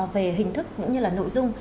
về hình thức cũng như là nội dung